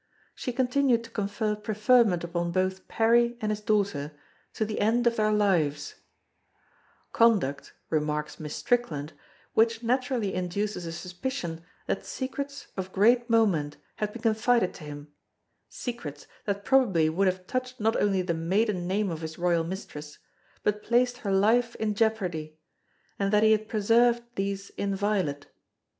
She continued to confer preferment upon both Parry and his daughter to the end of their lives "conduct," remarks Miss Strickland, "which naturally induces a suspicion that secrets of great moment had been confided to him secrets that probably would have touched not only the maiden name of his royal Mistress, but placed her life in jeopardy, and that he had preserved these inviolate.